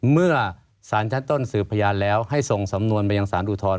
เมื่อสารชั้นต้นสืบพยานแล้วให้ส่งสำนวนมายังสารอุทธรณ